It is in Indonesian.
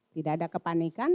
tidak ada kepanikan